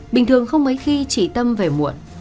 bình thường không mấy khi chị tâm về muộn